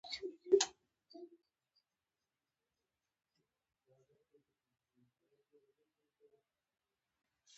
ګڼ فلسطینیان زموږ لیدو ته راټول شوي وو.